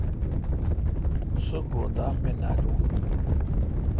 سو گودام می نالون۔